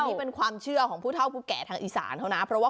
นี่เป็นความเชื่อของผู้เท่าผู้แก่ทางอีสานเขานะเพราะว่า